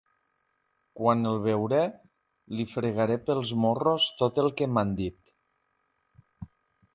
Quan el veuré li fregaré pels morros tot el que m'han dit.